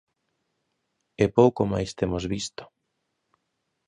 E pouco máis temos visto.